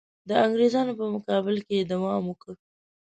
د انګرېزانو په مقابل کې یې دوام ورکړ.